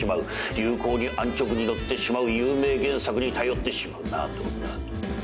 流行に安直に乗ってしまう有名原作に頼ってしまうなどなど。